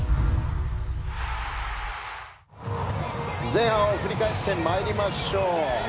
前半を振り返ってまいりましょう。